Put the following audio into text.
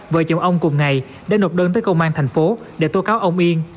vợ chồng ông cùng ngày đã nộp đơn tới công an tp hcm để tố cáo ông yên